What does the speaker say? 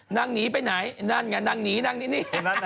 นั่นนี่ไปไหนนั่นนี่นั่นนี่